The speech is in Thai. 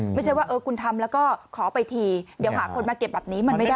ไม่ใช่ว่าเออคุณทำแล้วก็ขอไปทีเดี๋ยวหาคนมาเก็บแบบนี้มันไม่ได้